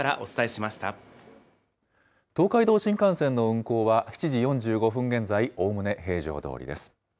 東海道新幹線の運行は、７時４５分現在、おおむね平常どおりです。